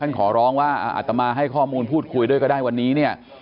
ขอร้องว่าอัตมาให้ข้อมูลพูดคุยด้วยก็ได้วันนี้เนี่ย